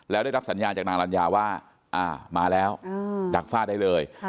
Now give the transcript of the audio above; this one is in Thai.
แล้วได้รับสัญญาณจากนางรัญญาว่ามาแล้วดักฝ้าได้เลย